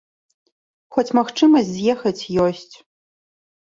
Хоць магчымасць з'ехаць ёсць.